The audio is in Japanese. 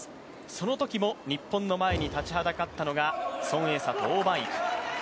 そのときも日本の前に立ちはだかったのが孫エイ莎と王曼イク。